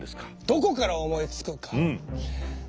どこから思いつくか？